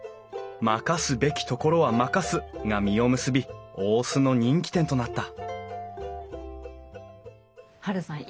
「任すべきところは任す」が実を結び大須の人気店となったハルさん